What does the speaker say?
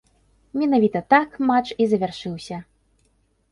Менавіта так матч і завяршыўся.